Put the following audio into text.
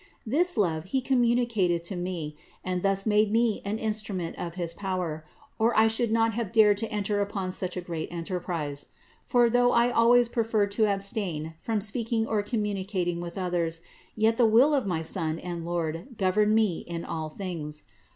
This love He communicated to me, and thus made me an instrument of his power, or I should not have dared to enter upon such a great enterprise. For though I always preferred to abstain from speaking or communi cating with others, yet the will of my Son and Lord gov erned me in all things.